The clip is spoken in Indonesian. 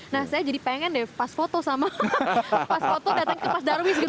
nah saya jadi pengen deh pas foto sama pas foto datang ke mas darmis gitu